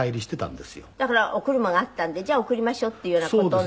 だからお車があったんでじゃあ送りましょうっていうような事になって。